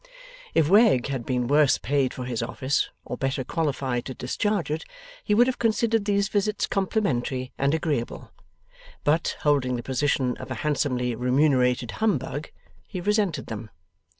If Wegg had been worse paid for his office, or better qualified to discharge it, he would have considered these visits complimentary and agreeable; but, holding the position of a handsomely remunerated humbug, he resented them.